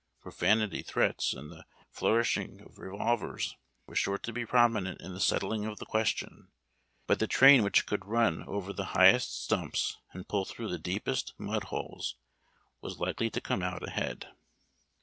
Profanity, threats, and the flourishing of revolvers were sure to be prominent in the settling of the question, but the train which could run over the highest stumps and jmll through the deepest mud holes was lil^ely to come out ahead.